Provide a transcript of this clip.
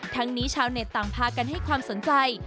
ทั้งนี้ชาวเน็ตต่างพากันให้ความสนใจ